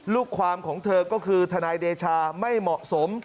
ลูกความของเธอก็คือทนายเดชาไม่เหมาะสม